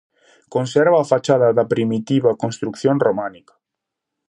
Conserva a fachada da primitiva construción románica.